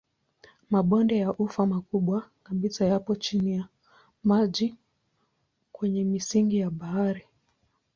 Mabonde ya ufa makubwa kabisa yapo chini ya maji kwenye misingi ya bahari.